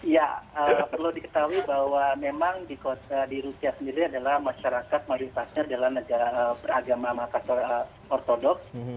ya perlu diketahui bahwa memang di rusia sendiri adalah masyarakat mayoritasnya adalah negara beragama makassar ortodoks